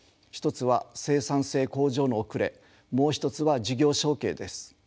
一つは生産性向上の遅れもう一つは事業承継です。